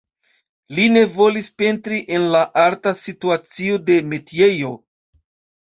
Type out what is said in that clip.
Li ne volis pentri en la arta situacio de metiejo.